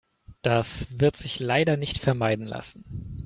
Das wird sich leider nicht vermeiden lassen.